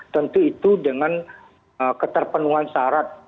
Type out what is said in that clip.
tentu itu dengan keterpenuhan syarat